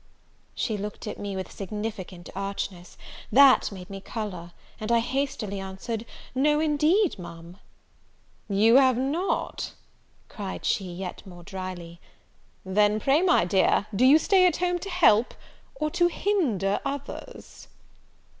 She looked at me with a significant archness, that made me colour; and I hastily answered, "No, indeed, Ma'am!" "You have not!" cried she, yet more drily; "then pray, my dear, do you stay at home to help, or to hinder others?"